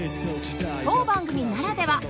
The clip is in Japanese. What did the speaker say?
当番組ならでは！